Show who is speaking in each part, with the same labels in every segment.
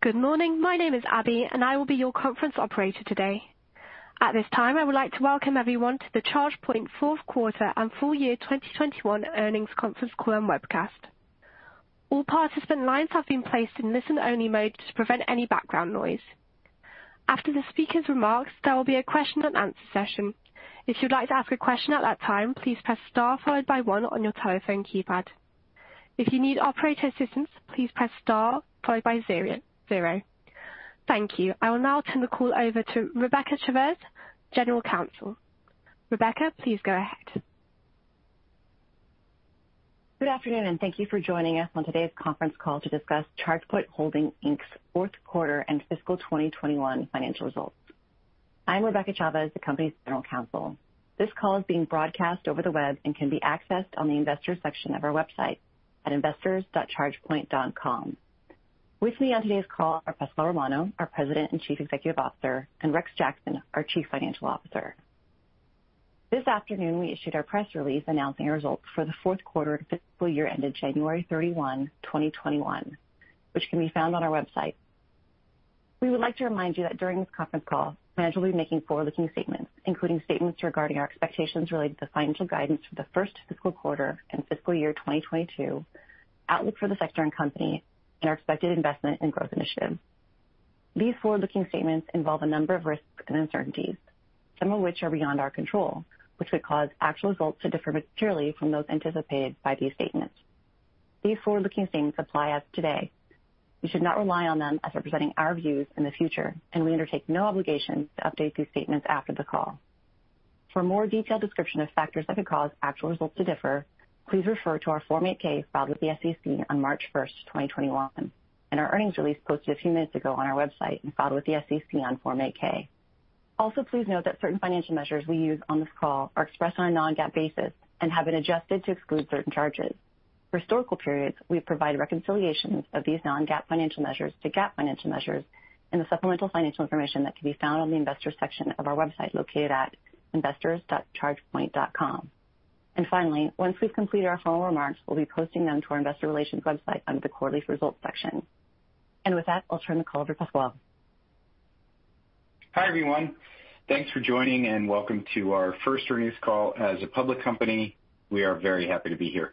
Speaker 1: Good morning. My name is Abby, and I will be your conference operator today. At this time, I would like to welcome everyone to the ChargePoint Fourth Quarter and Full Year 2021 Earnings Conference Call and Webcast. All participant lines have been placed in listen-only mode to prevent any background noise. After the speaker's remarks, there will be a question and answer session. If you'd like to ask a question at that time, please press star followed by one on your telephone keypad. If you need operator assistance, please press star followed by zero. Thank you. I will now turn the call over to Rebecca Chavez, General Counsel. Rebecca, please go ahead.
Speaker 2: Good afternoon, and thank you for joining us on today's conference call to discuss ChargePoint Holdings, Inc's fourth quarter and fiscal 2021 financial results. I'm Rebecca Chavez, the company's General Counsel. This call is being broadcast over the web and can be accessed on the investors section of our website at investors.chargepoint.com. With me on today's call are Pasquale Romano, our President and Chief Executive Officer, and Rex Jackson, our Chief Financial Officer. This afternoon, we issued our press release announcing our results for the fourth quarter and fiscal year ended January 31, 2021, which can be found on our website. We would like to remind you that during this conference call, management will be making forward-looking statements, including statements regarding our expectations related to financial guidance for the first fiscal quarter and fiscal year 2022, outlook for the sector and company, and our expected investment in growth initiatives. These forward-looking statements involve a number of risks and uncertainties, some of which are beyond our control, which could cause actual results to differ materially from those anticipated by these statements. These forward-looking statements apply as of today. You should not rely on them as representing our views in the future, and we undertake no obligation to update these statements after the call. For a more detailed description of factors that could cause actual results to differ, please refer to our Form 8-K filed with the SEC on March 1st, 2021, and our earnings release posted a few minutes ago on our website and filed with the SEC on Form 8-K. Also, please note that certain financial measures we use on this call are expressed on a non-GAAP basis and have been adjusted to exclude certain charges. For historical periods, we provide reconciliations of these non-GAAP financial measures to GAAP financial measures in the supplemental financial information that can be found on the investors section of our website located at investors.chargepoint.com. Finally, once we've completed our formal remarks, we'll be posting them to our investor relations website under the quarterly results section. With that, I'll turn the call over to Pasquale.
Speaker 3: Hi, everyone. Thanks for joining, and welcome to our first earnings call as a public company. We are very happy to be here.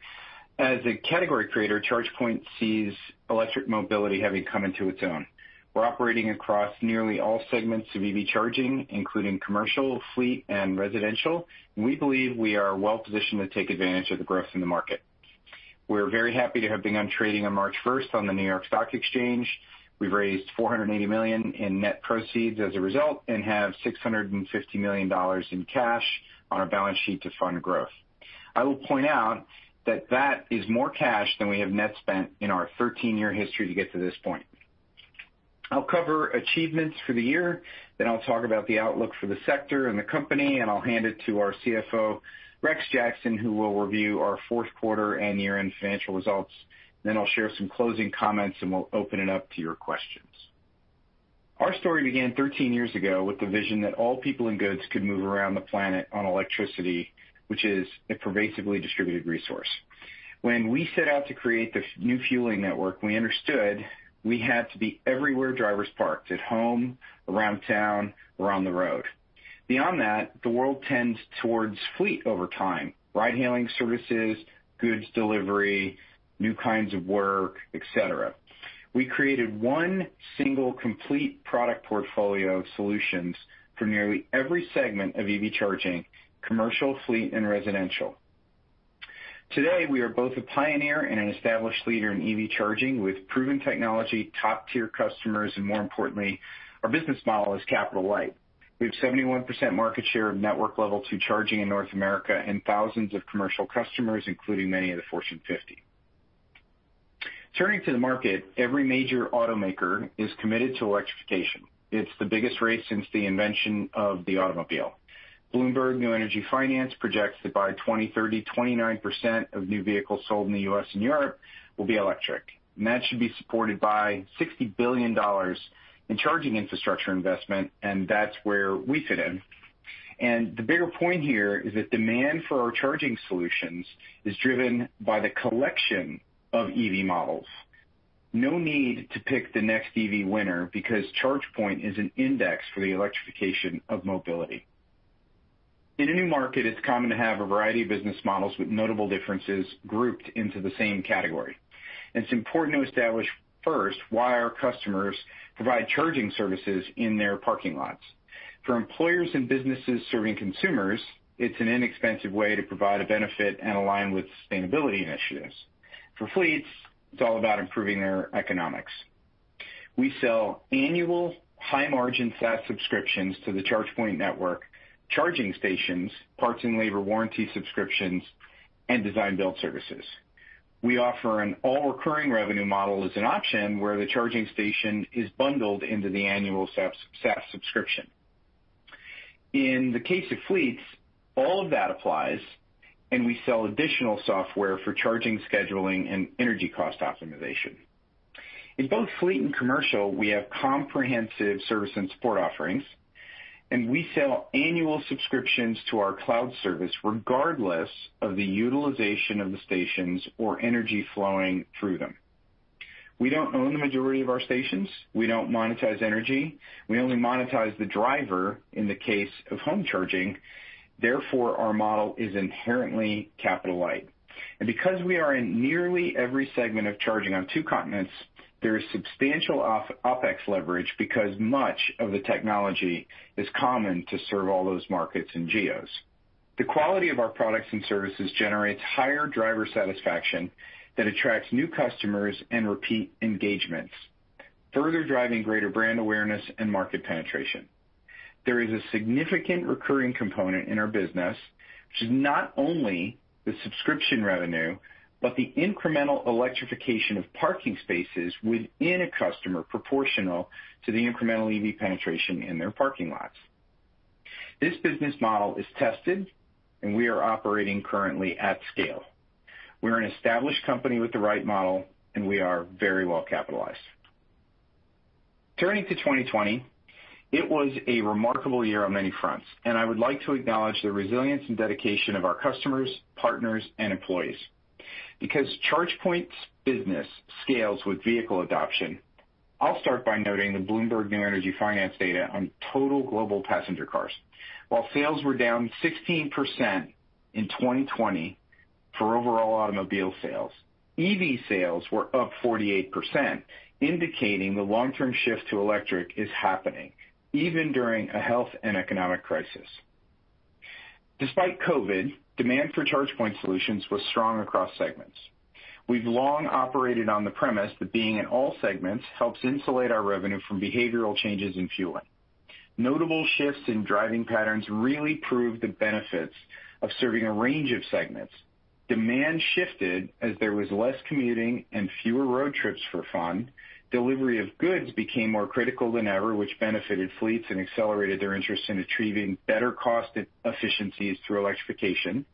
Speaker 3: As a category creator, ChargePoint sees electric mobility having come into its own. We're operating across nearly all segments of EV charging, including commercial, fleet, and residential. We believe we are well-positioned to take advantage of the growth in the market. We're very happy to have begun trading on March 1st on the New York Stock Exchange. We've raised $480 million in net proceeds as a result and have $650 million in cash on our balance sheet to fund growth. I will point out that that is more cash than we have net spent in our 13-year history to get to this point. I'll cover achievements for the year, then I'll talk about the outlook for the sector and the company, and I'll hand it to our CFO, Rex Jackson, who will review our fourth quarter and year-end financial results. I'll share some closing comments, and we'll open it up to your questions. Our story began 13 years ago with the vision that all people and goods could move around the planet on electricity, which is a pervasively distributed resource. When we set out to create this new fueling network, we understood we had to be everywhere drivers parked, at home, around town, or on the road. Beyond that, the world tends towards fleet over time, ride-hailing services, goods delivery, new kinds of work, et cetera. We created one single complete product portfolio of solutions for nearly every segment of EV charging, commercial, fleet, and residential. Today, we are both a pioneer and an established leader in EV charging with proven technology, top-tier customers, and more importantly, our business model is capital light. We have 71% market share of network level two charging in North America and thousands of commercial customers, including many of the Fortune 50. Turning to the market, every major automaker is committed to electrification. It's the biggest race since the invention of the automobile. Bloomberg New Energy Finance projects that by 2030, 29% of new vehicles sold in the U.S. and Europe will be electric, that should be supported by $60 billion in charging infrastructure investment, that's where we fit in. The bigger point here is that demand for our charging solutions is driven by the collection of EV models. No need to pick the next EV winner, because ChargePoint is an index for the electrification of mobility. In a new market, it's common to have a variety of business models with notable differences grouped into the same category, and it's important to establish first why our customers provide charging services in their parking lots. For employers and businesses serving consumers, it's an inexpensive way to provide a benefit and align with sustainability initiatives. For fleets, it's all about improving their economics. We sell annual high-margin SaaS subscriptions to the ChargePoint network, charging stations, parts and labor warranty subscriptions, and design build services. We offer an all-recurring revenue model as an option where the charging station is bundled into the annual SaaS subscription. In the case of fleets, all of that applies, and we sell additional software for charging, scheduling, and energy cost optimization. In both fleet and commercial, we have comprehensive service and support offerings. We sell annual subscriptions to our cloud service regardless of the utilization of the stations or energy flowing through them. We don't own the majority of our stations. We don't monetize energy. We only monetize the driver in the case of home charging, therefore, our model is inherently capital-light. Because we are in nearly every segment of charging on two continents, there is substantial OpEx leverage because much of the technology is common to serve all those markets and geos. The quality of our products and services generates higher driver satisfaction that attracts new customers and repeat engagements, further driving greater brand awareness and market penetration. There is a significant recurring component in our business, which is not only the subscription revenue, but the incremental electrification of parking spaces within a customer proportional to the incremental EV penetration in their parking lots. This business model is tested, and we are operating currently at scale. We're an established company with the right model, and we are very well capitalized. Turning to 2020, it was a remarkable year on many fronts, and I would like to acknowledge the resilience and dedication of our customers, partners, and employees. Because ChargePoint's business scales with vehicle adoption, I'll start by noting the Bloomberg New Energy Finance data on total global passenger cars. While sales were down 16% in 2020 for overall automobile sales, EV sales were up 48%, indicating the long-term shift to electric is happening, even during a health and economic crisis. Despite COVID, demand for ChargePoint solutions was strong across segments. We've long operated on the premise that being in all segments helps insulate our revenue from behavioral changes in fueling. Notable shifts in driving patterns really proved the benefits of serving a range of segments. Demand shifted as there was less commuting and fewer road trips for fun, delivery of goods became more critical than ever, which benefited fleets and accelerated their interest in achieving better cost efficiencies through electrification.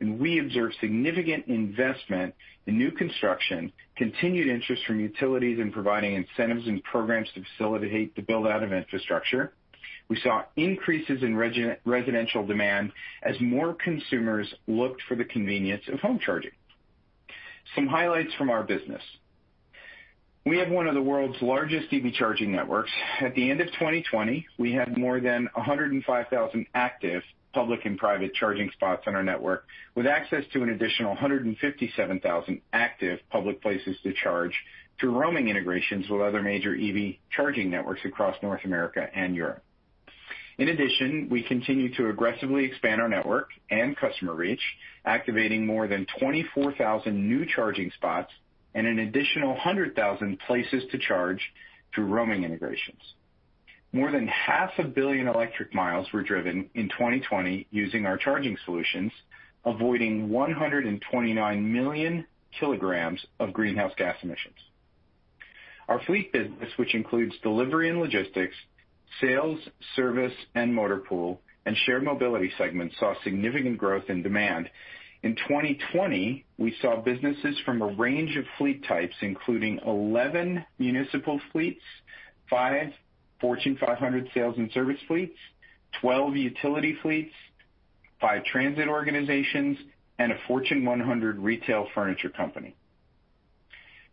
Speaker 3: We observed significant investment in new construction, continued interest from utilities in providing incentives and programs to facilitate the build-out of infrastructure. We saw increases in residential demand as more consumers looked for the convenience of home charging. Some highlights from our business: We have one of the world's largest EV charging networks. At the end of 2020, we had more than 105,000 active public and private charging spots on our network, with access to an additional 157,000 active public places to charge through roaming integrations with other major EV charging networks across North America and Europe. In addition, we continue to aggressively expand our network and customer reach, activating more than 24,000 new charging spots and an additional 100,000 places to charge through roaming integrations. More than half a billion electric miles were driven in 2020 using our charging solutions, avoiding 129 million kilograms of greenhouse gas emissions. Our fleet business, which includes delivery and logistics, sales, service, and motor pool, and shared mobility segments, saw significant growth and demand. In 2020, we saw businesses from a range of fleet types, including 11 municipal fleets, five Fortune 500 sales and service fleets, 12 utility fleets, five transit organizations, and a Fortune 100 retail furniture company.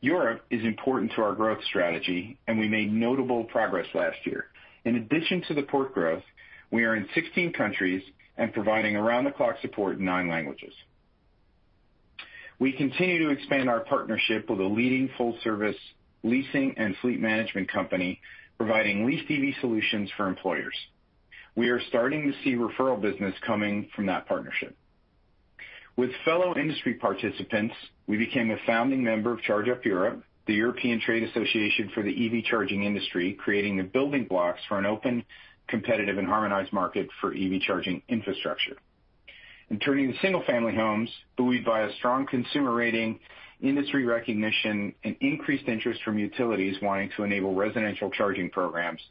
Speaker 3: Europe is important to our growth strategy, and we made notable progress last year. In addition to the port growth, we are in 16 countries and providing around-the-clock support in nine languages. We continue to expand our partnership with a leading full-service leasing and fleet management company providing leased EV solutions for employers. We are starting to see referral business coming from that partnership. With fellow industry participants, we became a founding member of ChargeUp Europe, the European Trade Association for the EV charging industry, creating the building blocks for an open, competitive, and harmonized market for EV charging infrastructure. Turning to single-family homes, buoyed by a strong consumer rating, industry recognition, and increased interest from utilities wanting to enable residential charging programs,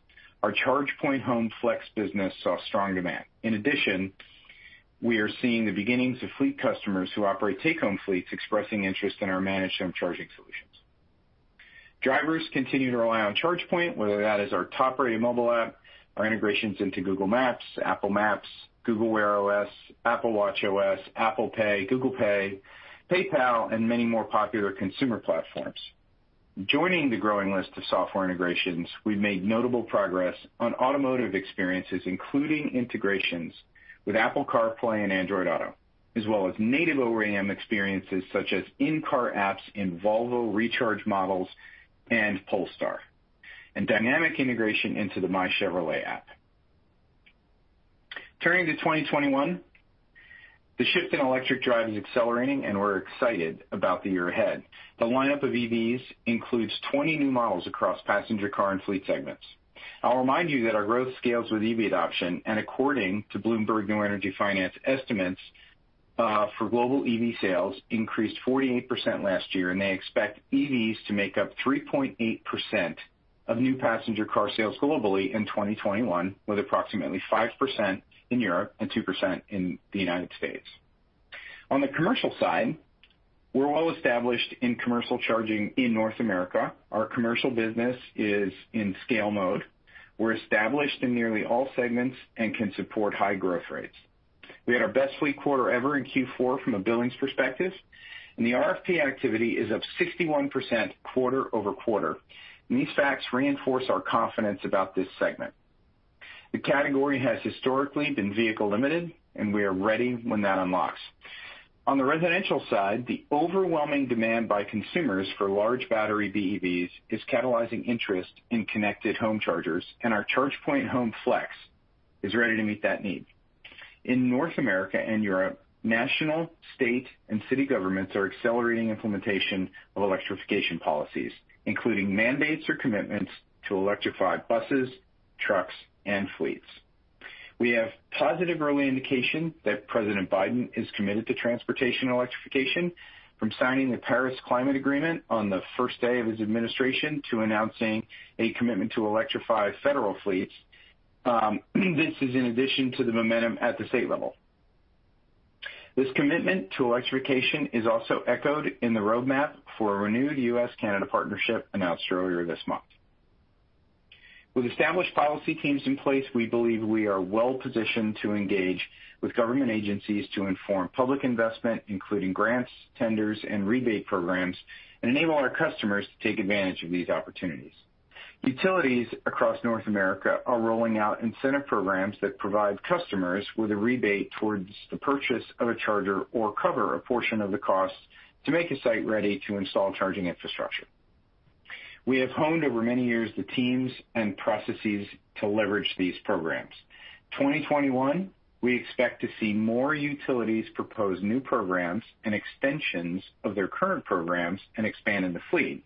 Speaker 3: our ChargePoint Home Flex business saw strong demand. In addition, we are seeing the beginnings of fleet customers who operate take-home fleets expressing interest in our managed home charging solutions. Drivers continue to rely on ChargePoint, whether that is our top-rated mobile app, our integrations into Google Maps, Apple Maps, Google Wear OS, Apple watchOS, Apple Pay, Google Pay, PayPal, and many more popular consumer platforms. Joining the growing list of software integrations, we've made notable progress on automotive experiences, including integrations with Apple CarPlay and Android Auto, as well as native OEM experiences such as in-car apps in Volvo Recharge models and Polestar and dynamic integration into the myChevrolet app. Turning to 2021, the shift in electric drive is accelerating, and we're excited about the year ahead. The lineup of EVs includes 20 new models across passenger car and fleet segments. I'll remind you that our growth scales with EV adoption, and according to Bloomberg New Energy Finance estimates, for global EV sales increased 48% last year, and they expect EVs to make up 3.8% of new passenger car sales globally in 2021, with approximately 5% in Europe and 2% in the U.S. On the commercial side, we're well established in commercial charging in North America. Our commercial business is in scale mode. We're established in nearly all segments and can support high growth rates. We had our best fleet quarter ever in Q4 from a billings perspective, and the RFP activity is up 61% quarter-over-quarter, and these facts reinforce our confidence about this segment. The category has historically been vehicle-limited, and we are ready when that unlocks. On the residential side, the overwhelming demand by consumers for large battery BEVs is catalyzing interest in connected home chargers, and our ChargePoint Home Flex is ready to meet that need. In North America and Europe, national, state, and city governments are accelerating implementation of electrification policies, including mandates or commitments to electrify buses, trucks, and fleets. We have positive early indication that President Biden is committed to transportation electrification, from signing the Paris Agreement on the first day of his administration, to announcing a commitment to electrify federal fleets. This is in addition to the momentum at the state level. This commitment to electrification is also echoed in the roadmap for a renewed U.S.-Canada partnership announced earlier this month. With established policy teams in place, we believe we are well-positioned to engage with government agencies to inform public investment, including grants, tenders, and rebate programs, and enable our customers to take advantage of these opportunities. Utilities across North America are rolling out incentive programs that provide customers with a rebate towards the purchase of a charger or cover a portion of the cost to make a site ready to install charging infrastructure. We have honed over many years the teams and processes to leverage these programs. 2021, we expect to see more utilities propose new programs and extensions of their current programs and expand into fleet.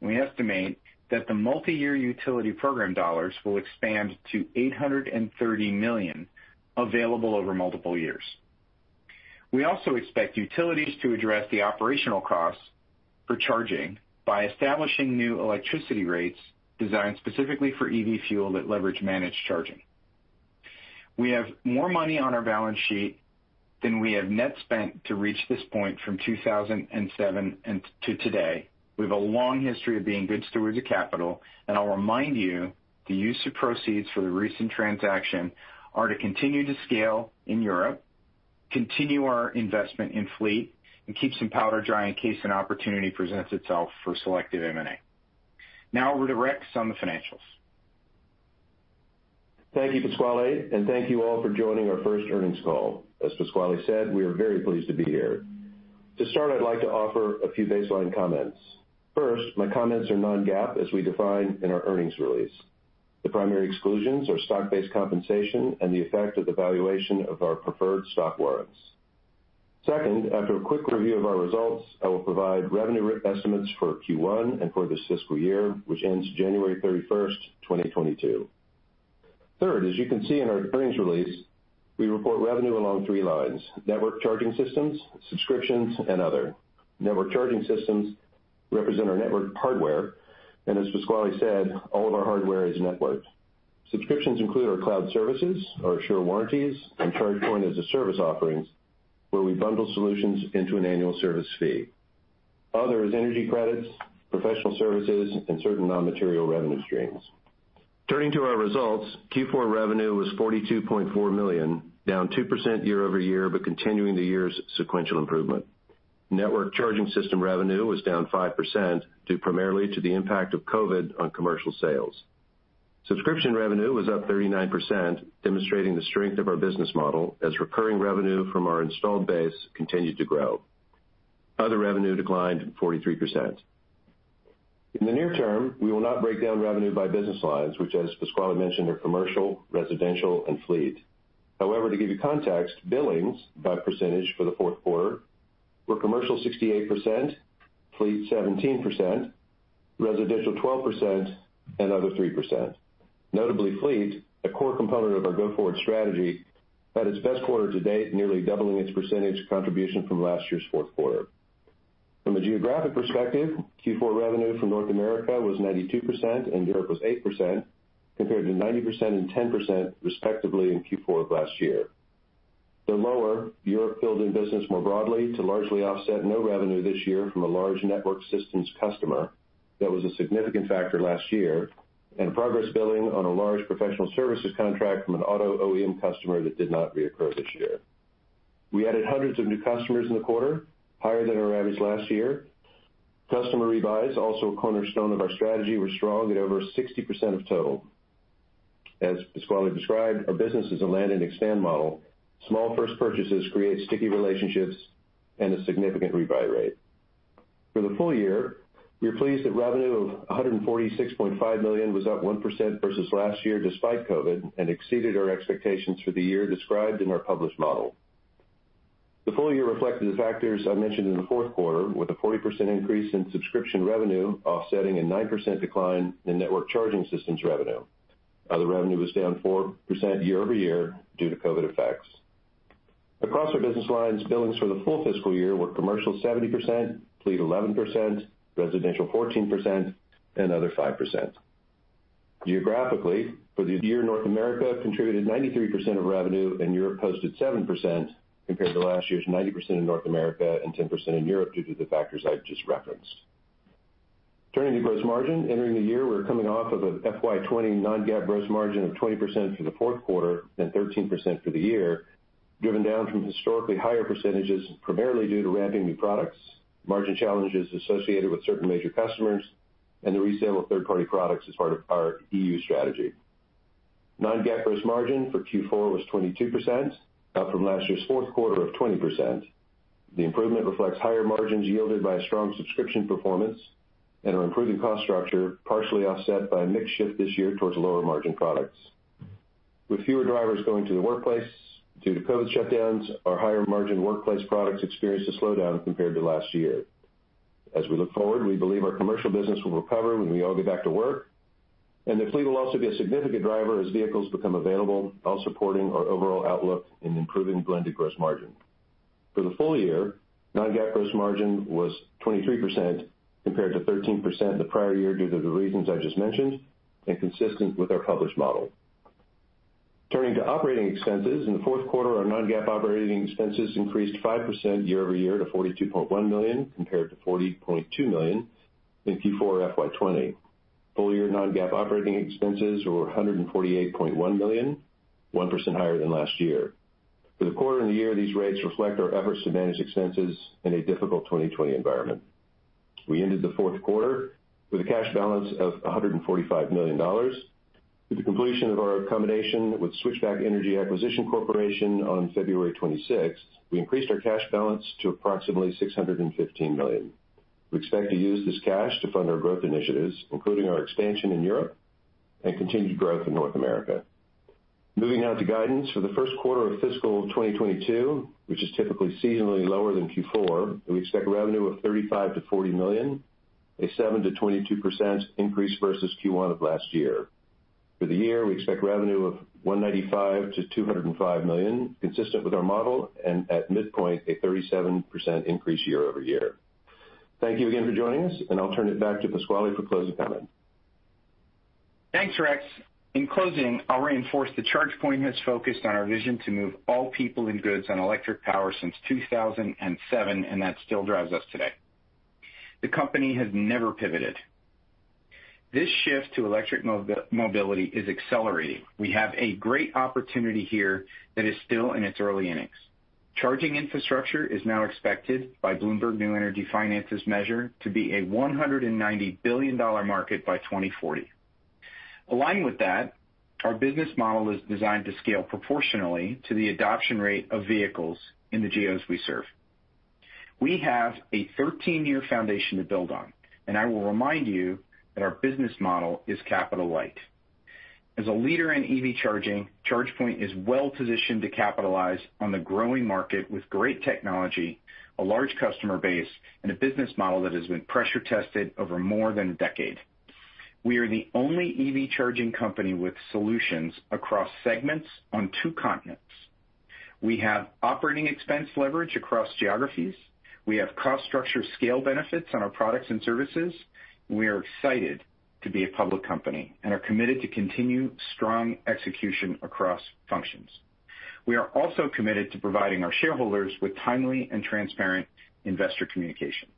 Speaker 3: We estimate that the multi-year utility program dollars will expand to $830 million available over multiple years. We also expect utilities to address the operational costs for charging by establishing new electricity rates designed specifically for EV fuel that leverage managed charging. We have more money on our balance sheet than we have net spent to reach this point from 2007 to today. We have a long history of being good stewards of capital, and I'll remind you, the use of proceeds for the recent transaction are to continue to scale in Europe, continue our investment in fleet, and keep some powder dry in case an opportunity presents itself for selective M&A. Now over to Rex on the financials.
Speaker 4: Thank you, Pasquale. Thank you all for joining our first earnings call. As Pasquale said, we are very pleased to be here. To start, I'd like to offer a few baseline comments. First, my comments are non-GAAP as we define in our earnings release. The primary exclusions are stock-based compensation and the effect of the valuation of our preferred stock warrants. Second, after a quick review of our results, I will provide revenue estimates for Q1 and for this fiscal year, which ends January 31st, 2022. Third, as you can see in our earnings release, we report revenue along three lines: network charging systems, subscriptions, and other. Network charging systems represent our network hardware, and as Pasquale said, all of our hardware is networked. Subscriptions include our cloud services, our Assure warranties, and ChargePoint as a Service offerings, where we bundle solutions into an annual service fee. Other is energy credits, professional services, and certain non-material revenue streams. Turning to our results, Q4 revenue was $42.4 million, down 2% year-over-year, but continuing the year's sequential improvement. Network charging system revenue was down 5%, due primarily to the impact of COVID on commercial sales. Subscription revenue was up 39%, demonstrating the strength of our business model as recurring revenue from our installed base continued to grow. Other revenue declined 43%. In the near term, we will not break down revenue by business lines, which, as Pasquale mentioned, are commercial, residential, and fleet. However, to give you context, billings by percentage for the fourth quarter were commercial 68%, fleet 17%, residential 12%, and other 3%. Notably, fleet, a core component of our go-forward strategy, had its best quarter to date, nearly doubling its percentage contribution from last year's fourth quarter. From a geographic perspective, Q4 revenue from North America was 92% and Europe was 8%, compared to 90% and 10%, respectively, in Q4 of last year. Though lower, Europe building business more broadly to largely offset no revenue this year from a large network charging systems customer that was a significant factor last year, and progress billing on a large professional services contract from an auto OEM customer that did not reoccur this year. We added hundreds of new customers in the quarter, higher than our average last year. Customer re-buys, also a cornerstone of our strategy, were strong at over 60% of total. As Pasquale described, our business is a land and expand model. Small first purchases create sticky relationships and a significant re-buy rate. For the full year, we are pleased that revenue of $146.5 million was up 1% versus last year, despite COVID, and exceeded our expectations for the year described in our published model. The full year reflected the factors I mentioned in the fourth quarter, with a 40% increase in subscription revenue offsetting a 9% decline in network charging systems revenue. Other revenue was down 4% year-over-year due to COVID effects. Across our business lines, billings for the full fiscal year were commercial 70%, fleet 11%, residential 14%, and other 5%. Geographically, for the year, North America contributed 93% of revenue and Europe posted 7%, compared to last year's 90% in North America and 10% in Europe, due to the factors I've just referenced. Turning to gross margin. Entering the year, we were coming off of a FY 2020 non-GAAP gross margin of 20% for the fourth quarter and 13% for the year, driven down from historically higher percentages, primarily due to ramping new products, margin challenges associated with certain major customers, and the resale of third-party products as part of our EU strategy. Non-GAAP gross margin for Q4 was 22%, up from last year's fourth quarter of 20%. The improvement reflects higher margins yielded by a strong subscription performance and our improving cost structure, partially offset by a mix shift this year towards lower margin products. With fewer drivers going to the workplace due to COVID shutdowns, our higher margin workplace products experienced a slowdown compared to last year. As we look forward, we believe our commercial business will recover when we all get back to work, and the fleet will also be a significant driver as vehicles become available, all supporting our overall outlook in improving blended gross margin. For the full year, non-GAAP gross margin was 23% compared to 13% the prior year due to the reasons I just mentioned and consistent with our published model. Turning to operating expenses. In the fourth quarter, our non-GAAP operating expenses increased 5% year-over-year to $42.1 million, compared to $40.2 million in Q4 FY 2020. Full year non-GAAP operating expenses were $148.1 million, 1% higher than last year. For the quarter and the year, these rates reflect our efforts to manage expenses in a difficult 2020 environment. We ended the fourth quarter with a cash balance of $145 million. With the completion of our combination with Switchback Energy Acquisition Corporation on February 26th, we increased our cash balance to approximately $615 million. We expect to use this cash to fund our growth initiatives, including our expansion in Europe and continued growth in North America. Moving now to guidance for the first quarter of fiscal 2022, which is typically seasonally lower than Q4, we expect revenue of $35 million-$40 million, a 7%-22% increase versus Q1 of last year. For the year, we expect revenue of $195 million-$205 million, consistent with our model, and at midpoint, a 37% increase year-over-year. Thank you again for joining us, and I'll turn it back to Pasquale for closing comments.
Speaker 3: Thanks, Rex. In closing, I'll reinforce that ChargePoint has focused on our vision to move all people and goods on electric power since 2007, and that still drives us today. The company has never pivoted. This shift to electric mobility is accelerating. We have a great opportunity here that is still in its early innings. Charging infrastructure is now expected by Bloomberg New Energy Finance's measure to be a $190 billion market by 2040. Aligned with that, our business model is designed to scale proportionally to the adoption rate of vehicles in the geos we serve. We have a 13-year foundation to build on, and I will remind you that our business model is capital light. As a leader in EV charging, ChargePoint is well positioned to capitalize on the growing market with great technology, a large customer base, and a business model that has been pressure tested over more than a decade. We are the only EV charging company with solutions across segments on two continents. We have operating expense leverage across geographies. We have cost structure scale benefits on our products and services. We are excited to be a public company and are committed to continue strong execution across functions. We are also committed to providing our shareholders with timely and transparent investor communication.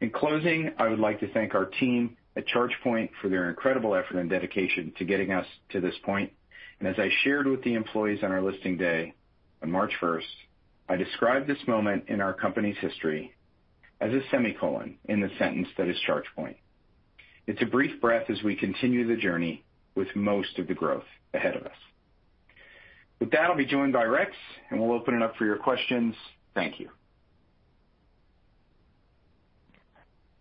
Speaker 3: In closing, I would like to thank our team at ChargePoint for their incredible effort and dedication to getting us to this point. As I shared with the employees on our listing day on March 1st, I describe this moment in our company's history as a semicolon in the sentence that is ChargePoint. It's a brief breath as we continue the journey with most of the growth ahead of us. With that, I'll be joined by Rex, and we'll open it up for your questions. Thank you.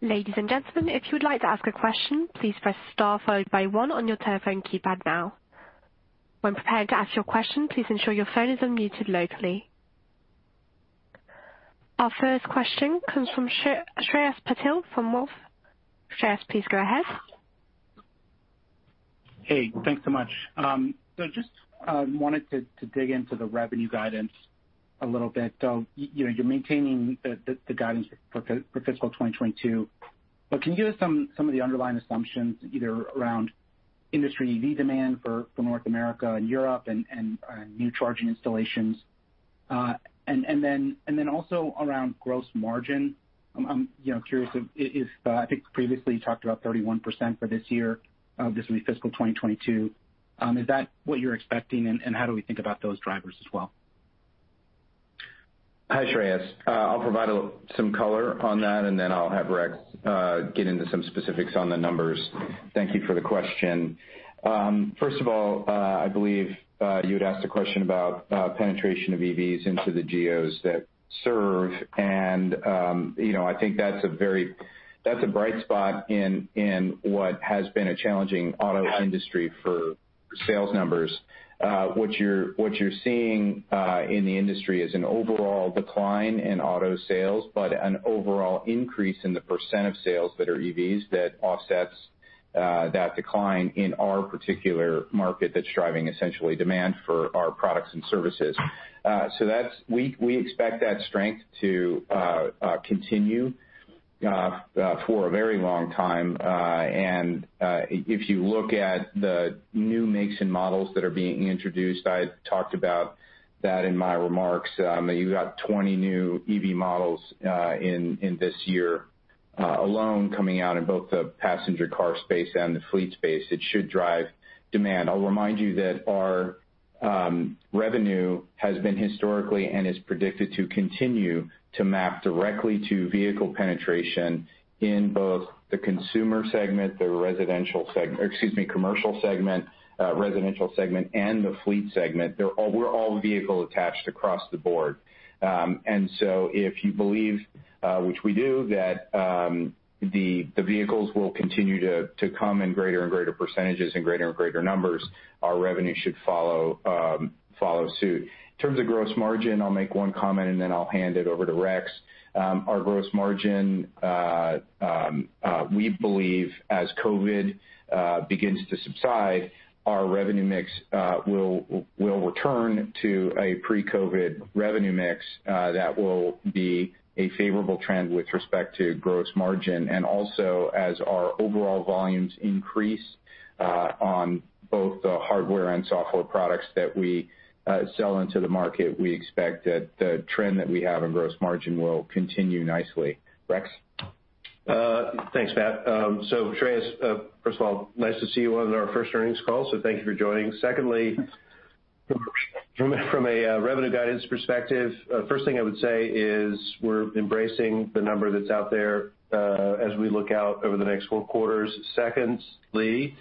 Speaker 1: Ladies and gentlemen, if you would like to ask a question, please press star followed by one on your telephone keypad now. When prepared to ask your question, please ensure your phone is unmuted locally. Our first question comes from Shreyas Patil from Wolfe. Shreyas, please go ahead.
Speaker 5: Hey, thanks so much. Just wanted to dig into the revenue guidance a little bit. You're maintaining the guidance for fiscal 2022, but can you give us some of the underlying assumptions, either around industry EV demand for North America and Europe and new charging installations? Also around gross margin, I'm curious if, I think previously you talked about 31% for this year. This will be fiscal 2022. Is that what you're expecting, how do we think about those drivers as well?
Speaker 3: Hi, Shreyas. I'll provide some color on that, and then I'll have Rex get into some specifics on the numbers. Thank you for the question. First of all, I believe, you had asked a question about penetration of EVs into the geos that serve, and I think that's a bright spot in what has been a challenging auto industry for sales numbers. What you're seeing in the industry is an overall decline in auto sales, but an overall increase in the percent of sales that are EVs that offsets that decline in our particular market that's driving essentially demand for our products and services. We expect that strength to continue for a very long time. If you look at the new makes and models that are being introduced, I talked about that in my remarks. You got 20 new EV models in this year alone coming out in both the passenger car space and the fleet space. It should drive demand. I'll remind you that our revenue has been historically and is predicted to continue to map directly to vehicle penetration in both the consumer segment, the commercial segment, residential segment, and the fleet segment. We're all vehicle attached across the board. If you believe, which we do, that the vehicles will continue to come in greater and greater percentages and greater and greater numbers, our revenue should follow suit. In terms of gross margin, I'll make one comment, and then I'll hand it over to Rex. Our gross margin, we believe as COVID begins to subside, our revenue mix will return to a pre-COVID revenue mix that will be a favorable trend with respect to gross margin. As our overall volumes increase on both the hardware and software products that we sell into the market, we expect that the trend that we have in gross margin will continue nicely. Rex?
Speaker 4: Thanks, Pat. Shreyas, first of all, nice to see you on our first earnings call, thank you for joining. Secondly, from a revenue guidance perspective, first thing I would say is we're embracing the number that's out there as we look out over the next four quarters. Secondly,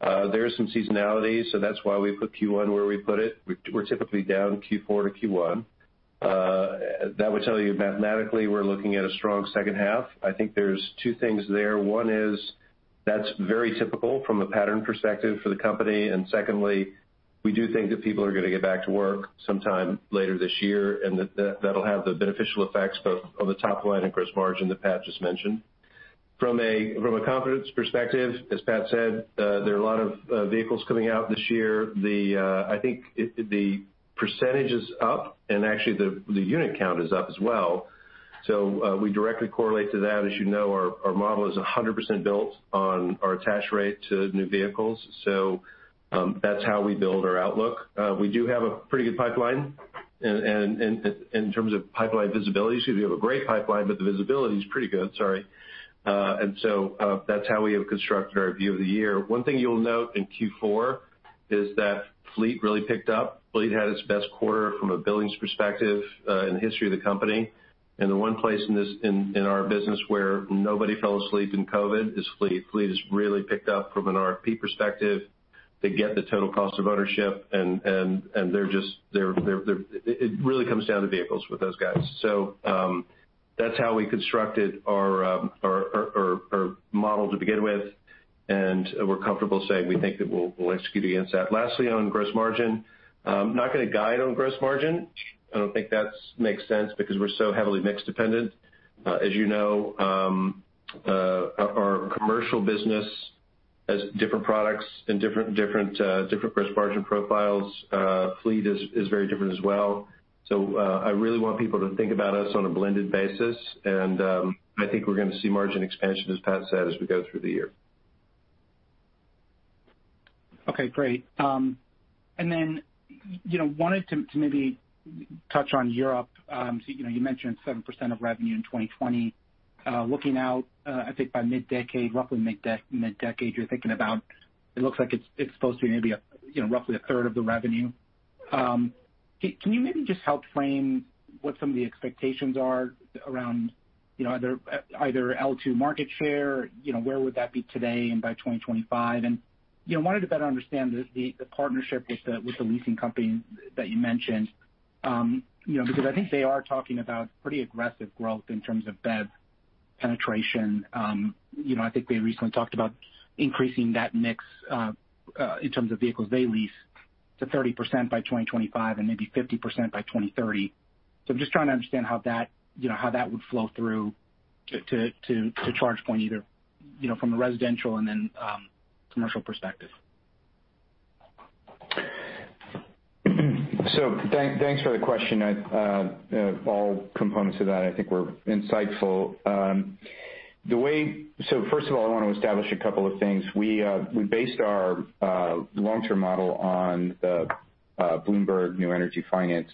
Speaker 4: there is some seasonality, so that's why we put Q1 where we put it. We're typically down Q4 to Q1. That would tell you mathematically, we're looking at a strong second half. I think there's two things there. One is that's very typical from a pattern perspective for the company. Secondly, we do think that people are going to get back to work sometime later this year, and that'll have the beneficial effects both on the top line and gross margin that Pat just mentioned. From a confidence perspective, as Pat said, there are a lot of vehicles coming out this year. I think the percentage is up and actually the unit count is up as well, so we directly correlate to that. As you know, our model is 100% built on our attach rate to new vehicles, so that's how we build our outlook. We do have a pretty good pipeline in terms of pipeline visibility. Excuse me. We have a great pipeline, but the visibility is pretty good, sorry. That's how we have constructed our view of the year. One thing you'll note in Q4 is that fleet really picked up. Fleet had its best quarter from a billings perspective in the history of the company. The one place in our business where nobody fell asleep in COVID is fleet. Fleet has really picked up from an RFP perspective. They get the total cost of ownership, and it really comes down to vehicles with those guys. That's how we constructed our model to begin with, and we're comfortable saying we think that we'll execute against that. Lastly, on gross margin, I'm not going to guide on gross margin. I don't think that makes sense because we're so heavily mix dependent. As you know, our commercial business has different products and different gross margin profiles. Fleet is very different as well. I really want people to think about us on a blended basis, and I think we're going to see margin expansion, as Pat said, as we go through the year.
Speaker 5: Okay, great. Wanted to maybe touch on Europe. You mentioned 7% of revenue in 2020. Looking out, I think by mid-decade, roughly mid-decade, you're thinking about it looks like it's supposed to be maybe roughly a third of the revenue. Can you maybe just help frame what some of the expectations are around either L2 market share, where would that be today and by 2025? Wanted to better understand the partnership with the leasing company that you mentioned. I think they are talking about pretty aggressive growth in terms of BEV penetration. I think they recently talked about increasing that mix in terms of vehicles they lease to 30% by 2025 and maybe 50% by 2030. I'm just trying to understand how that would flow through to ChargePoint, either from a residential and then commercial perspective.
Speaker 3: Thanks for the question. All components of that I think were insightful. First of all, I want to establish a couple of things. We based our long-term model on the Bloomberg New Energy Finance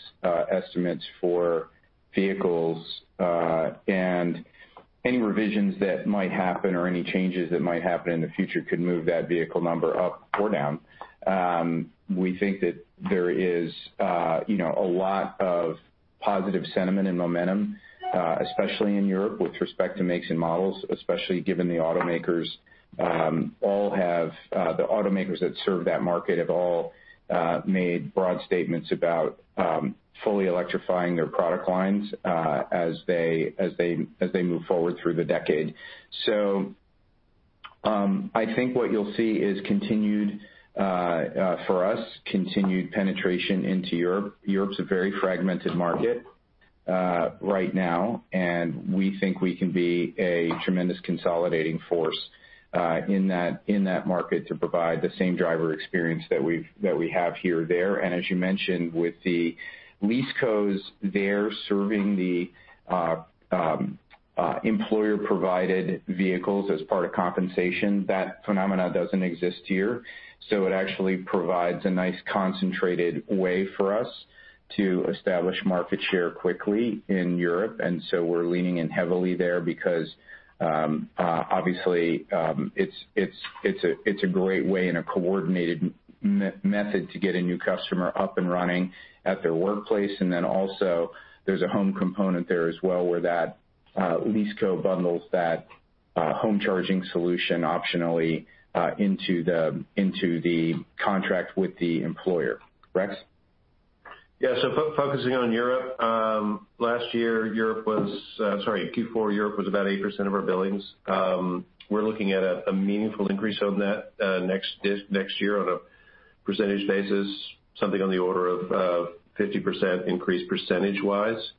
Speaker 3: estimates for vehicles. Any revisions that might happen or any changes that might happen in the future could move that vehicle number up or down. We think that there is a lot of positive sentiment and momentum, especially in Europe with respect to makes and models, especially given the automakers that serve that market have all made broad statements about fully electrifying their product lines as they move forward through the decade. I think what you'll see is, for us, continued penetration into Europe. Europe's a very fragmented market right now, we think we can be a tremendous consolidating force in that market to provide the same driver experience that we have here there. As you mentioned, with the leasecos there serving the employer-provided vehicles as part of compensation. That phenomena doesn't exist here, it actually provides a nice concentrated way for us to establish market share quickly in Europe. We're leaning in heavily there because, obviously, it's a great way and a coordinated method to get a new customer up and running at their workplace. Also, there's a home component there as well where that leaseco bundles that home charging solution optionally into the contract with the employer. Rex?
Speaker 4: Yeah. Focusing on Europe. Last year, Q4 Europe was about 8% of our billings. We're looking at a meaningful increase on that next year on a percentage basis, something on the order of 50% increase percentage-wise.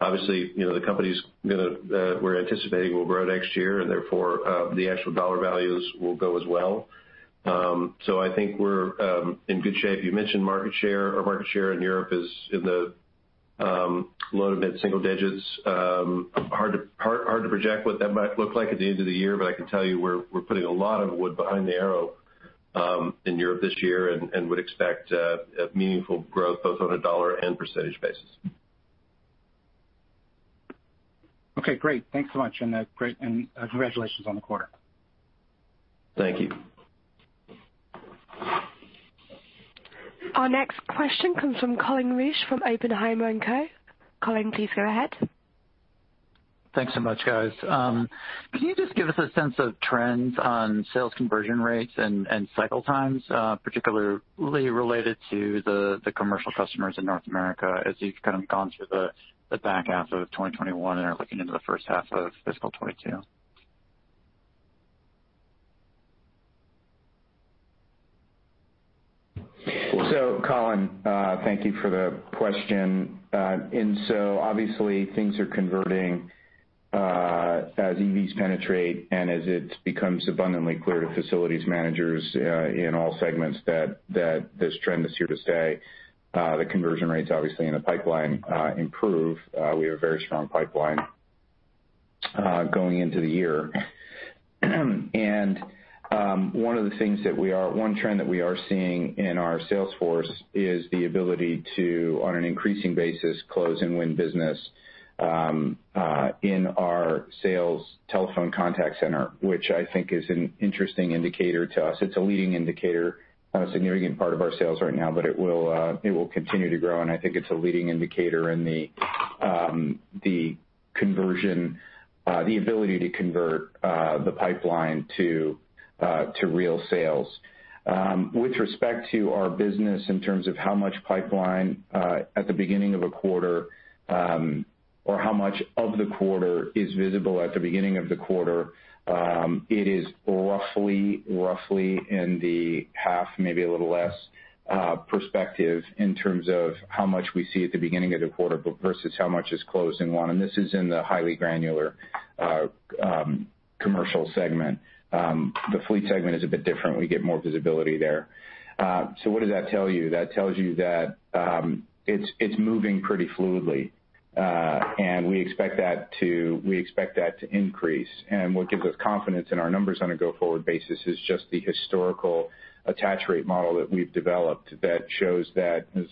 Speaker 4: Obviously, the companies we're anticipating will grow next year, and therefore, the actual dollar values will go as well. I think we're in good shape. You mentioned market share. Our market share in Europe is in the low to mid-single digits. Hard to project what that might look like at the end of the year, but I can tell you we're putting a lot of wood behind the arrow in Europe this year and would expect meaningful growth both on a dollar and percentage basis.
Speaker 5: Okay, great. Thanks so much, and congratulations on the quarter.
Speaker 4: Thank you.
Speaker 1: Our next question comes from Colin Rusch from Oppenheimer & Co. Colin, please go ahead.
Speaker 6: Thanks so much, guys. Can you just give us a sense of trends on sales conversion rates and cycle times, particularly related to the commercial customers in North America as you've gone through the back half of 2021 and are looking into the first half of fiscal 2022?
Speaker 3: Colin, thank you for the question. Obviously things are converting as EVs penetrate and as it becomes abundantly clear to facilities managers in all segments that this trend is here to stay. The conversion rates obviously in the pipeline improve. We have a very strong pipeline going into the year. One trend that we are seeing in our sales force is the ability to, on an increasing basis, close and win business in our sales telephone contact center, which I think is an interesting indicator to us. It's a leading indicator on a significant part of our sales right now, but it will continue to grow, and I think it's a leading indicator in the conversion, the ability to convert the pipeline to real sales. With respect to our business in terms of how much pipeline at the beginning of a quarter or how much of the quarter is visible at the beginning of the quarter, it is roughly in the half, maybe a little less, perspective in terms of how much we see at the beginning of the quarter versus how much is closed and won. This is in the highly granular commercial segment. The fleet segment is a bit different. We get more visibility there. What does that tell you? That tells you that it's moving pretty fluidly, and we expect that to increase. What gives us confidence in our numbers on a go-forward basis is just the historical attach rate model that we've developed that shows that as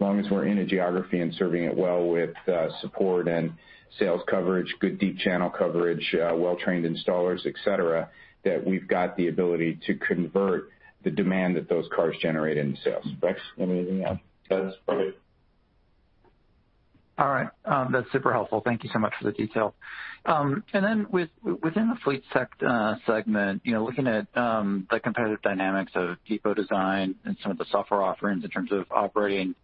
Speaker 3: long as we're in a geography and serving it well with support and sales coverage, good deep channel coverage, well-trained installers, et cetera, that we've got the ability to convert the demand that those cars generate into sales. Rex, anything to add?
Speaker 4: That's perfect.
Speaker 6: All right. That's super helpful. Thank you so much for the detail. Within the fleet segment, looking at the competitive dynamics of depot design and some of the software offerings in terms of operating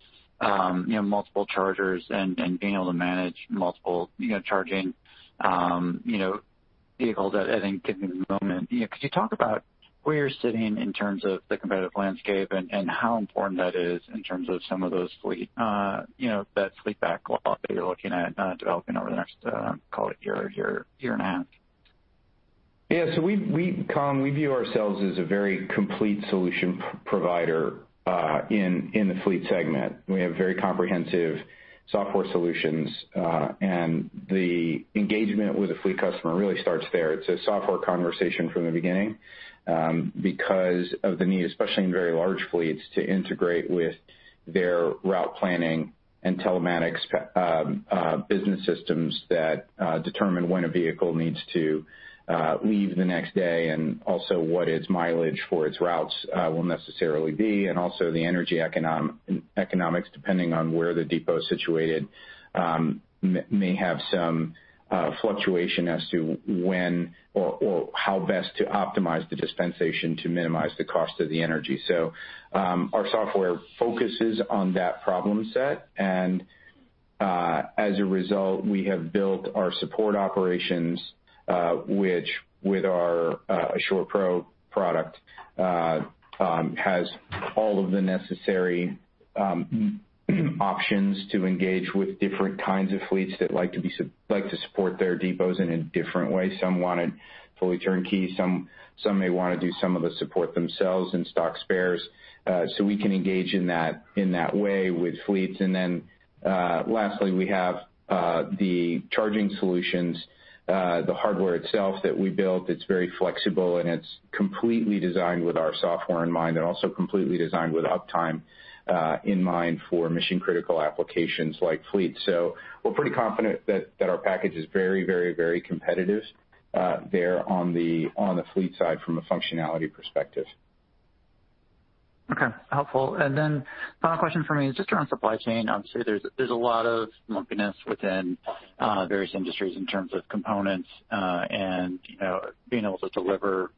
Speaker 6: multiple chargers and being able to manage multiple charging vehicles, I think given the moment, could you talk about where you're sitting in terms of the competitive landscape and how important that is in terms of some of that fleet pack that you're looking at developing over the next, call it year and a half?
Speaker 3: Yeah. Colin, we view ourselves as a very complete solution provider in the fleet segment. We have very comprehensive software solutions, and the engagement with a fleet customer really starts there. It's a software conversation from the beginning because of the need, especially in very large fleets, to integrate with their route planning and telematics business systems that determine when a vehicle needs to leave the next day, and also what its mileage for its routes will necessarily be, and also the energy economics, depending on where the depot is situated, may have some fluctuation as to when or how best to optimize the dispensation to minimize the cost of the energy. Our software focuses on that problem set, and as a result, we have built our support operations, which with our Assure Pro product has all of the necessary options to engage with different kinds of fleets that like to support their depots in a different way. Some want it fully turnkey. Some may want to do some of the support themselves and stock spares. We can engage in that way with fleets. Lastly, we have the charging solutions, the hardware itself that we built, it's very flexible, and it's completely designed with our software in mind, and also completely designed with uptime in mind for mission-critical applications like fleets. We're pretty confident that our package is very competitive there on the fleet side from a functionality perspective.
Speaker 6: Okay. Helpful. Final question from me is just around supply chain. Obviously, there's a lot of lumpiness within various industries in terms of components, and being able to deliver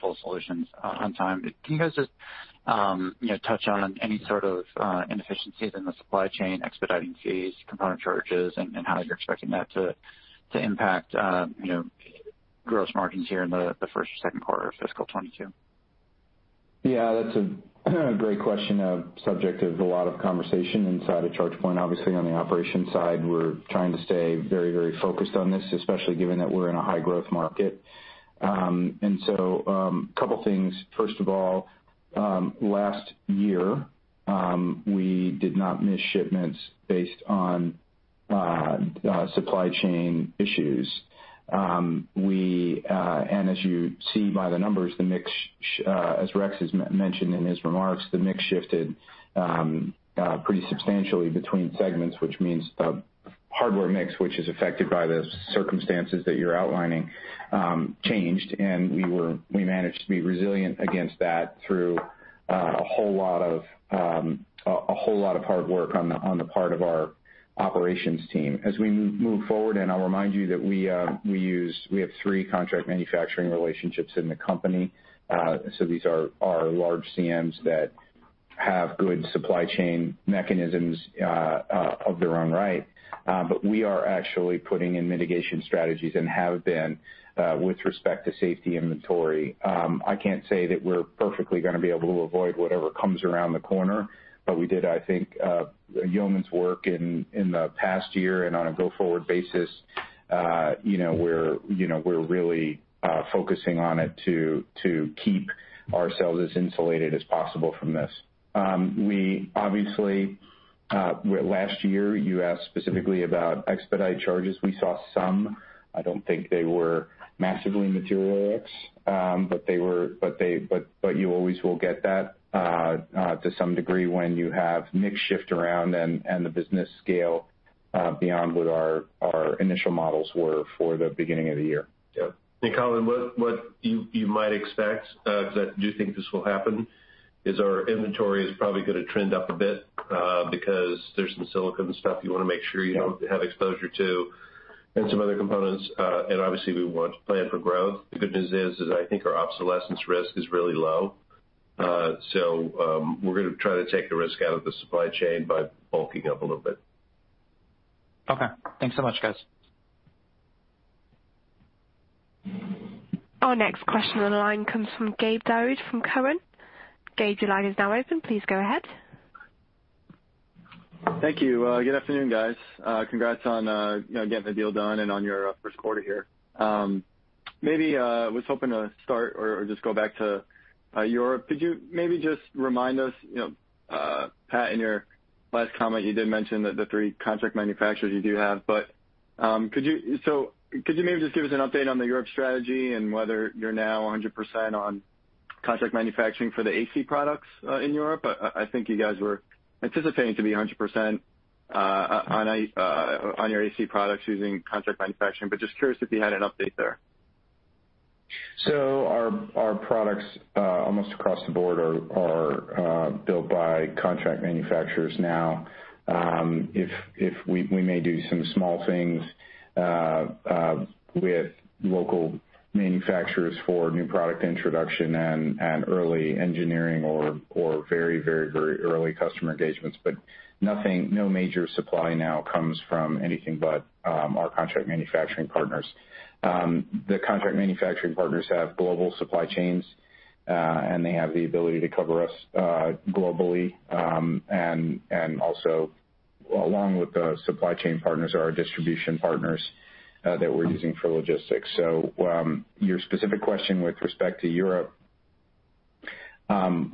Speaker 6: full solutions on time. Can you guys just touch on any sort of inefficiencies in the supply chain, expediting fees, component charges, and how you're expecting that to impact gross margins here in the first or second quarter of FY 2022?
Speaker 3: Yeah, that's a great question. A subject of a lot of conversation inside of ChargePoint, obviously, on the operations side. We're trying to stay very focused on this, especially given that we're in a high-growth market. Couple things. First of all, last year, we did not miss shipments based on supply chain issues. As you see by the numbers, as Rex has mentioned in his remarks, the mix shifted pretty substantially between segments, which means the hardware mix, which is affected by the circumstances that you're outlining, changed. We managed to be resilient against that through a whole lot of hard work on the part of our operations team. As we move forward, I'll remind you that we have three contract manufacturing relationships in the company. These are large CMs that have good supply chain mechanisms of their own right. We are actually putting in mitigation strategies and have been with respect to safety inventory. I can't say that we're perfectly gonna be able to avoid whatever comes around the corner. We did, I think, a yeoman's work in the past year, and on a go-forward basis, we're really focusing on it to keep ourselves as insulated as possible from this. Last year, you asked specifically about expedite charges. We saw some. I don't think they were massively material, Rex. You always will get that to some degree when you have mix shift around and the business scale beyond what our initial models were for the beginning of the year.
Speaker 4: Yeah. Colin, what you might expect, because I do think this will happen, is our inventory is probably gonna trend up a bit, because there's some silicon stuff you want to make sure you have exposure to and some other components. The good news is I think our obsolescence risk is really low. We're gonna try to take the risk out of the supply chain by bulking up a little bit.
Speaker 6: Okay. Thanks so much, guys.
Speaker 1: Our next question on the line comes from Gabe Daoud from Cowen. Gabe, your line is now open. Please go ahead.
Speaker 7: Thank you. Good afternoon, guys. Congrats on getting the deal done and on your first quarter here. I was hoping to start or just go back to Europe. Could you maybe just remind us, Pat, in your last comment, you did mention that the three contract manufacturers you do have, but could you maybe just give us an update on the Europe strategy and whether you're now 100% on contract manufacturing for the AC products in Europe? I think you guys were anticipating to be 100% on your AC products using contract manufacturing, but just curious if you had an update there.
Speaker 3: Our products, almost across the board, are built by contract manufacturers now. We may do some small things with local manufacturers for new product introduction and early engineering or very early customer engagements. No major supply now comes from anything but our contract manufacturing partners. The contract manufacturing partners have global supply chains, and they have the ability to cover us globally. Also, along with the supply chain partners are our distribution partners that we're using for logistics. Your specific question with respect to Europe,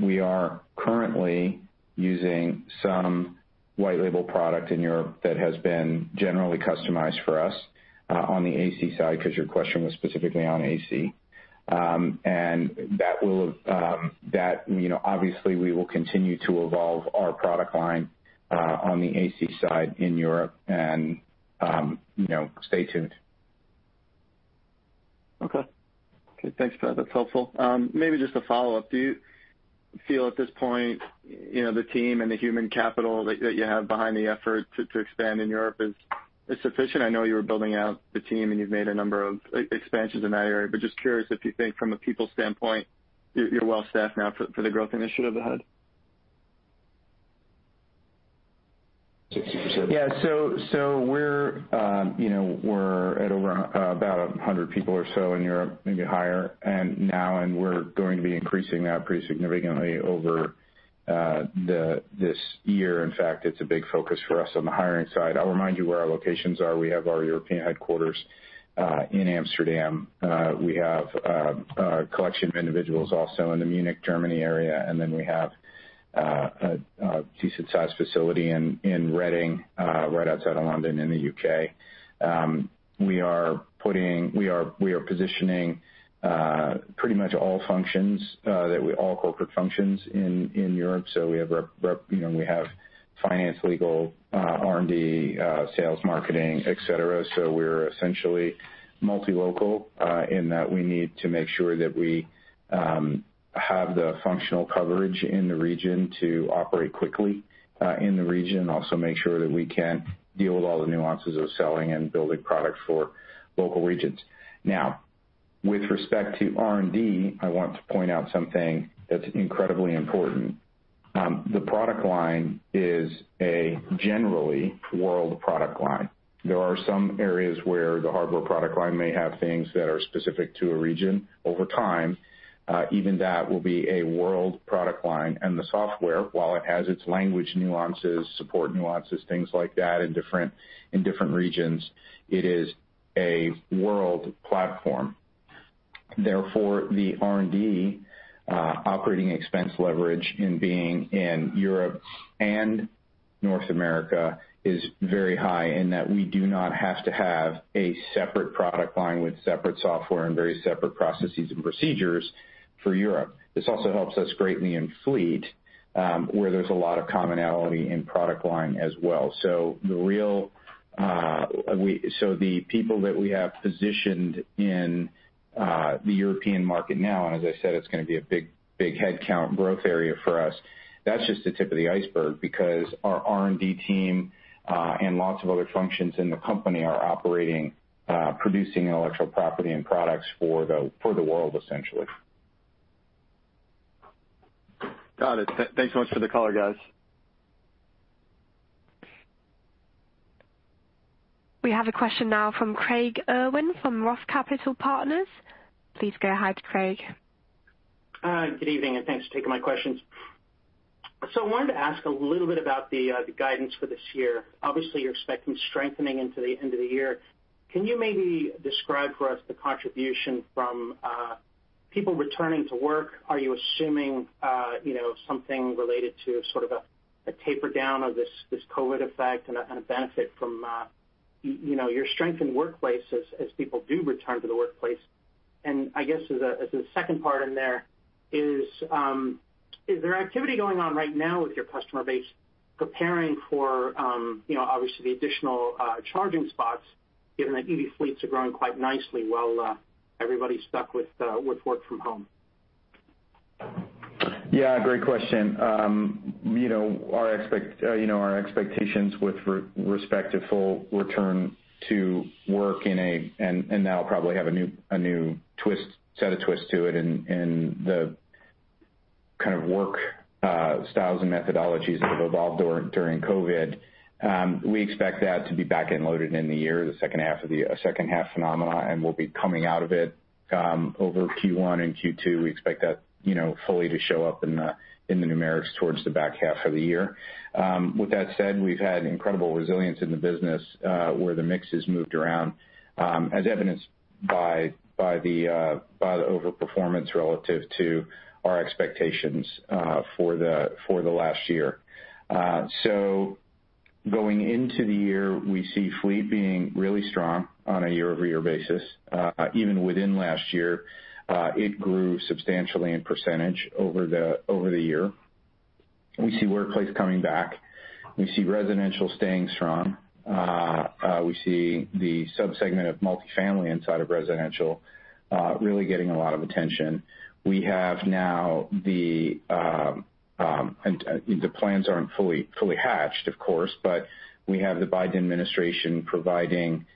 Speaker 3: we are currently using some white label product in Europe that has been generally customized for us on the AC side, because your question was specifically on AC. Obviously, we will continue to evolve our product line on the AC side in Europe and stay tuned.
Speaker 7: Okay. Good. Thanks, Pat. That's helpful. Maybe just a follow-up. Do you feel at this point, the team and the human capital that you have behind the effort to expand in Europe is sufficient? I know you were building out the team, and you've made a number of expansions in that area, but just curious if you think from a people standpoint, you're well-staffed now for the growth initiatives ahead? 60%].
Speaker 3: We're at over about 100 people or so in Europe, maybe higher now, and we're going to be increasing that pretty significantly over this year. It's a big focus for us on the hiring side. I'll remind you where our locations are. We have our European headquarters, in Amsterdam. We have a collection of individuals also in the Munich, Germany area, and then we have a decent-sized facility in Reading, right outside of London in the U.K. We are positioning pretty much all corporate functions in Europe. We have finance, legal, R&D, sales, marketing, et cetera. We're essentially multi-local in that we need to make sure that we have the functional coverage in the region to operate quickly in the region. Also make sure that we can deal with all the nuances of selling and building products for local regions. With respect to R&D, I want to point out something that's incredibly important. The product line is a generally world product line. There are some areas where the hardware product line may have things that are specific to a region over time. Even that will be a world product line. The software, while it has its language nuances, support nuances, things like that in different regions, it is a world platform. The R&D operating expense leverage in being in Europe and North America is very high in that we do not have to have a separate product line with separate software and very separate processes and procedures for Europe. This also helps us greatly in fleet, where there's a lot of commonality in product line as well. The people that we have positioned in the European market now, and as I said, it's going to be a big headcount growth area for us. That's just the tip of the iceberg because our R&D team, and lots of other functions in the company are operating, producing intellectual property and products for the world, essentially.
Speaker 7: Got it. Thanks so much for the color, guys.
Speaker 1: We have a question now from Craig Irwin from Roth Capital Partners. Please go ahead, Craig.
Speaker 8: Good evening, thanks for taking my questions. I wanted to ask a little bit about the guidance for this year. Obviously, you're expecting strengthening into the end of the year. Can you maybe describe for us the contribution from people returning to work? Are you assuming something related to sort of a taper down of this COVID effect and a benefit from your strength in workplace as people do return to the workplace? I guess as a second part in there is there activity going on right now with your customer base preparing for obviously the additional charging spots given that EV fleets are growing quite nicely while everybody's stuck with work from home?
Speaker 3: Yeah, great question. Our expectations with respect to full return to work in a now probably have a new set of twists to it in the kind of work styles and methodologies that have evolved during COVID. We expect that to be back end loaded in the year, the second half phenomena, and we'll be coming out of it over Q1 and Q2. We expect that fully to show up in the numerics towards the back half of the year. With that said, we've had incredible resilience in the business, where the mix has moved around, as evidenced by the over-performance relative to our expectations for the last year. Going into the year, we see fleet being really strong on a year-over-year basis. Even within last year, it grew substantially in percentage over the year. We see workplace coming back. We see residential staying strong. We see the sub-segment of multifamily inside of residential really getting a lot of attention. The plans aren't fully hatched, of course, but we have the Biden administration providing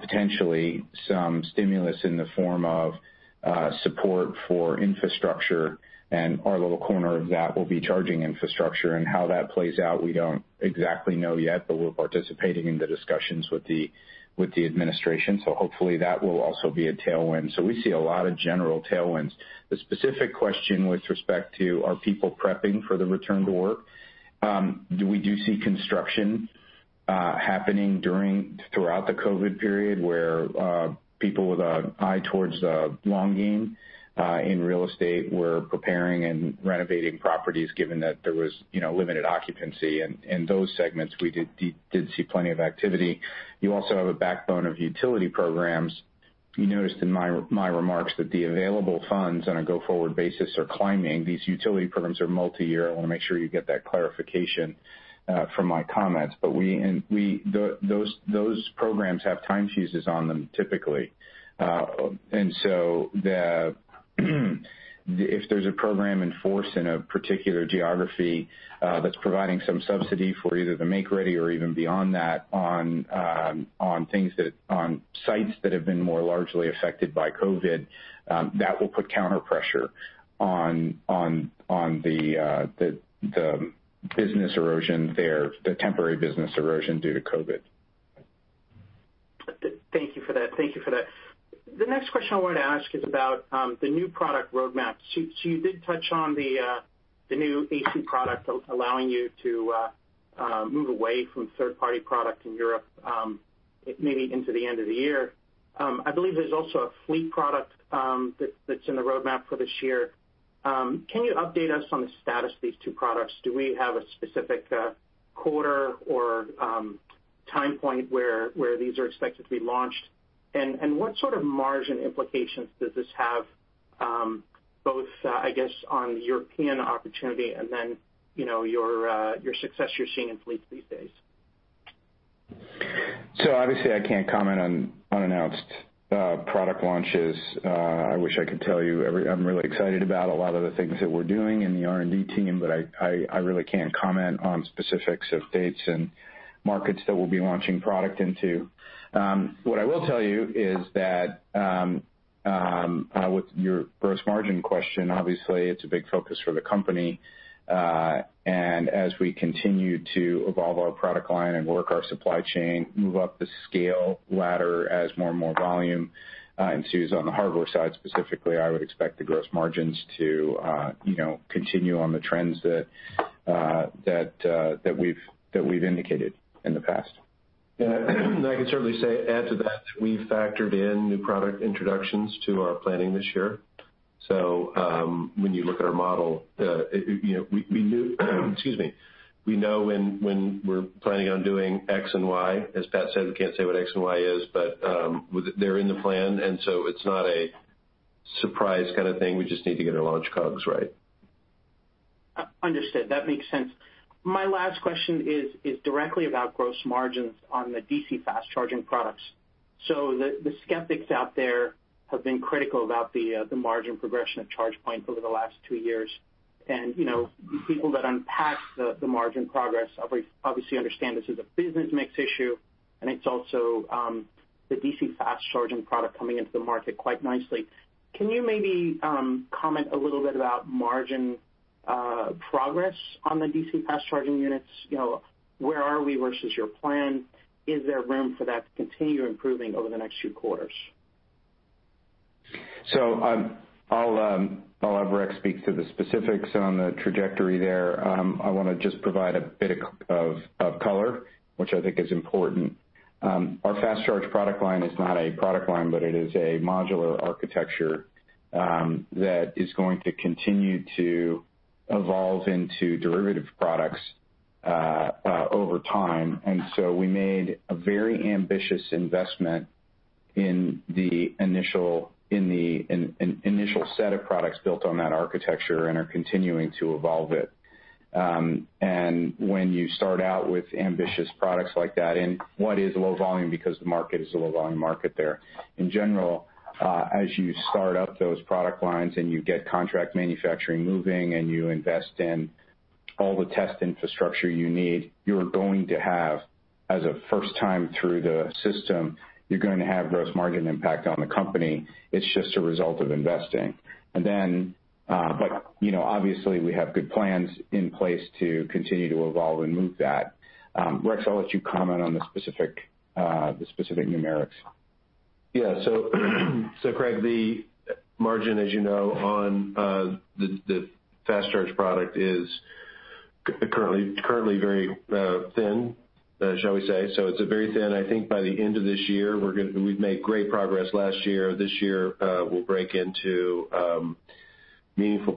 Speaker 3: potentially some stimulus in the form of support for infrastructure. Our little corner of that will be charging infrastructure. How that plays out, we don't exactly know yet, but we're participating in the discussions with the administration. Hopefully that will also be a tailwind. We see a lot of general tailwinds. The specific question with respect to are people prepping for the return to work? We do see construction happening throughout the COVID period, where people with an eye towards the long game in real estate were preparing and renovating properties given that there was limited occupancy. In those segments, we did see plenty of activity. You also have a backbone of utility programs. You noticed in my remarks that the available funds on a go-forward basis are climbing. These utility programs are multi-year. I want to make sure you get that clarification from my comments. Those programs have time fuses on them typically. If there's a program in force in a particular geography that's providing some subsidy for either the make-ready or even beyond that on sites that have been more largely affected by COVID, that will put counter pressure on the temporary business erosion due to COVID.
Speaker 8: Thank you for that. The next question I wanted to ask is about the new product roadmap. You did touch on the new AC product allowing you to move away from third-party product in Europe, maybe into the end of the year. I believe there's also a fleet product that's in the roadmap for this year. Can you update us on the status of these two products? Do we have a specific quarter or time point where these are expected to be launched? What sort of margin implications does this have, both, I guess, on the European opportunity and then your success you're seeing in fleets these days?
Speaker 3: Obviously, I can't comment on unannounced product launches. I wish I could tell you. I'm really excited about a lot of the things that we're doing in the R&D team, but I really can't comment on specifics of dates and markets that we'll be launching product into. What I will tell you is that with your gross margin question, obviously it's a big focus for the company. As we continue to evolve our product line and work our supply chain, move up the scale ladder as more and more volume ensues on the hardware side specifically, I would expect the gross margins to continue on the trends that we've indicated in the past.
Speaker 4: I can certainly add to that, we've factored in new product introductions to our planning this year. When you look at our model, we know when we're planning on doing X and Y. As Pat said, we can't say what X and Y is, but they're in the plan, it's not a surprise kind of thing. We just need to get our launch COGS right.
Speaker 8: Understood. That makes sense. My last question is directly about gross margins on the DC fast charging products. The skeptics out there have been critical about the margin progression of ChargePoint over the last two years. People that unpack the margin progress obviously understand this is a business mix issue, and it's also the DC fast charging product coming into the market quite nicely. Can you maybe comment a little bit about margin progress on the DC fast charging units? Where are we versus your plan? Is there room for that to continue improving over the next few quarters?
Speaker 3: I'll have Rex speak to the specifics on the trajectory there. I want to just provide a bit of color, which I think is important. Our fast charge product line is not a product line, but it is a modular architecture that is going to continue to evolve into derivative products over time. We made a very ambitious investment in the initial set of products built on that architecture and are continuing to evolve it. When you start out with ambitious products like that in what is low volume, because the market is a low volume market there. In general, as you start up those product lines and you get contract manufacturing moving and you invest in all the test infrastructure you need, you're going to have, as a first time through the system, you're going to have gross margin impact on the company. It's just a result of investing. Obviously we have good plans in place to continue to evolve and move that. Rex, I'll let you comment on the specific numerics.
Speaker 4: Craig, the margin, as you know, on the fast charge product is currently very thin, shall we say. It's very thin. I think by the end of this year, we've made great progress last year. This year, we'll break into meaningful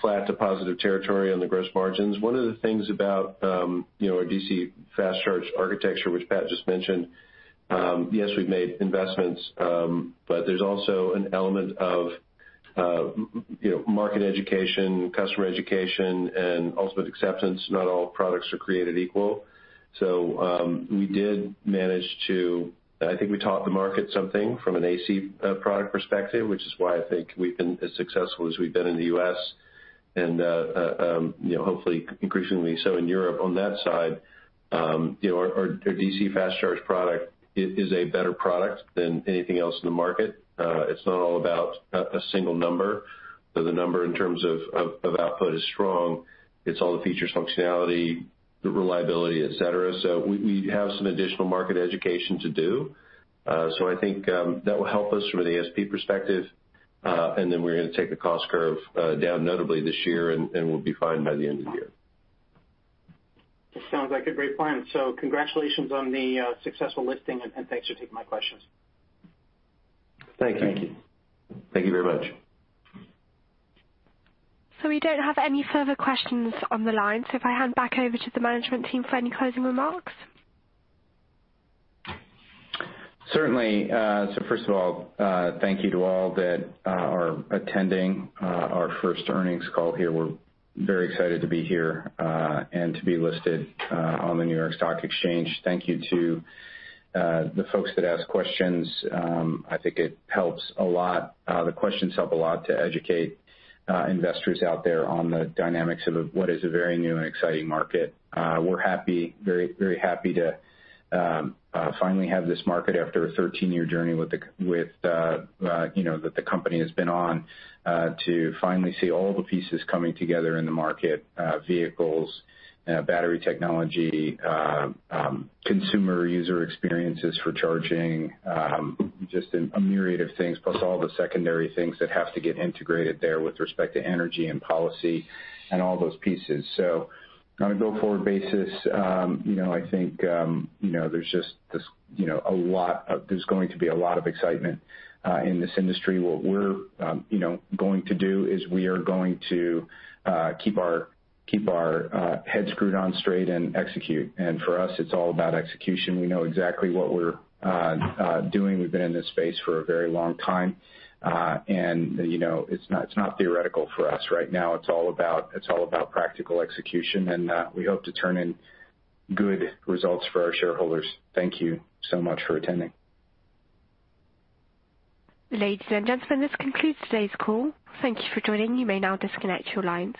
Speaker 4: flat to positive territory on the gross margins. One of the things about our DC fast charge architecture, which Pat just mentioned, yes, we've made investments, but there's also an element of market education, customer education, and ultimate acceptance. Not all products are created equal. We did manage to, I think we taught the market something from an AC product perspective, which is why I think we've been as successful as we've been in the U.S. and hopefully increasingly so in Europe on that side. Our DC fast charge product is a better product than anything else in the market. It's not all about a single number, though the number in terms of output is strong. It's all the features, functionality, reliability, et cetera. We have some additional market education to do. I think that will help us from the ASP perspective. We're going to take the cost curve down notably this year, and we'll be fine by the end of the year.
Speaker 8: It sounds like a great plan. Congratulations on the successful listing, and thanks for taking my questions.
Speaker 3: Thank you.
Speaker 4: Thank you.
Speaker 3: Thank you very much.
Speaker 1: We don't have any further questions on the line. If I hand back over to the management team for any closing remarks.
Speaker 3: Certainly. First of all, thank you to all that are attending our first earnings call here. We're very excited to be here, and to be listed on the New York Stock Exchange. Thank you to the folks that asked questions. I think it helps a lot. The questions help a lot to educate investors out there on the dynamics of what is a very new and exciting market. We're very happy to finally have this market after a 13-year journey that the company has been on, to finally see all the pieces coming together in the market, vehicles, battery technology, consumer user experiences for charging, just a myriad of things, plus all the secondary things that have to get integrated there with respect to energy and policy and all those pieces. On a go-forward basis, I think there's going to be a lot of excitement in this industry. What we're going to do is we are going to keep our heads screwed on straight and execute. For us, it's all about execution. We know exactly what we're doing. We've been in this space for a very long time. It's not theoretical for us right now. It's all about practical execution, and we hope to turn in good results for our shareholders. Thank you so much for attending.
Speaker 1: Ladies and gentlemen, this concludes today's call. Thank you for joining. You may now disconnect your lines.